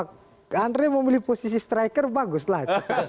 kalau andre memilih posisi striker baguslah